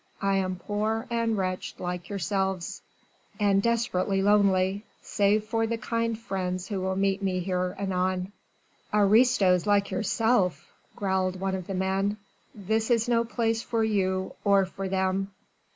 I am poor and wreched like yourselves! and desperately lonely, save for the kind friends who will meet me here anon." "Aristos like yourself!" growled one of the men. "This is no place for you or for them."